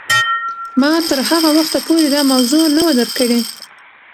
ما تر هغه وخته پورې دا موضوع نه وه درک کړې.